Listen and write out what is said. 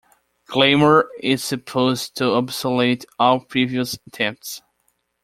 Glamor is supposed to obsolete all previous attempts.